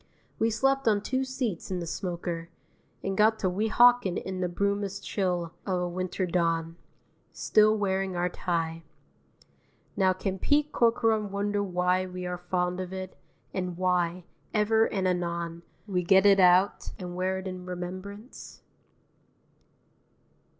We slept on two seats in the smoker, and got to Weehawken in the brumous chill of a winter dawn still wearing our tie. Now can Pete Corcoran wonder why we are fond of it, and why, ever and anon, we get it out and wear it in remembrance?